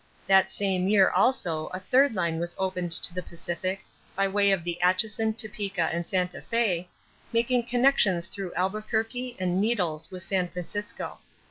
That same year also a third line was opened to the Pacific by way of the Atchison, Topeka and Santa Fé, making connections through Albuquerque and Needles with San Francisco.